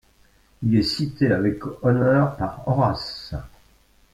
Il est cité avec honneur par Horace.